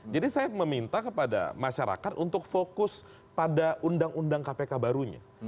jadi saya meminta kepada masyarakat untuk fokus pada undang undang kpk barunya